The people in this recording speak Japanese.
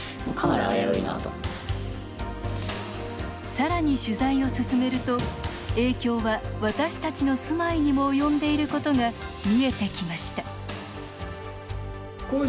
さらに取材を進めると影響は、私たちの住まいにも及んでいることが見えてきました